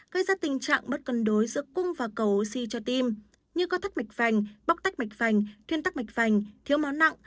gây ra tình trạng bất cân đối giữa cung và cầu oxy cho tim như có tắc mạch vành bóc tắc mạch vành thuyên tắc mạch vành thiếu máu nặng